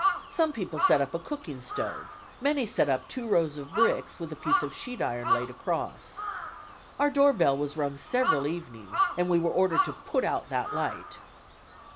Some people set up a cooking stove, many set up two rows of bricks, with a piece of sheet iron laid across. Our door bell was rung several evenings, and we were ordered to "put out that light."